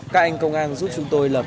các anh công an giúp chúng tôi lập